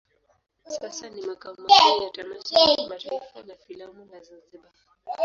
Sasa ni makao makuu ya tamasha la kimataifa la filamu la Zanzibar.